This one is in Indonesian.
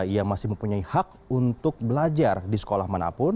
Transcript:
ia masih mempunyai hak untuk belajar di sekolah manapun